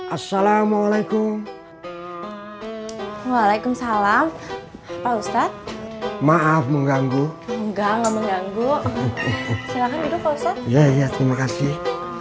assalamualaikum waalaikumsalam pak ustadz maaf mengganggu enggak mengganggu ya ya terima kasih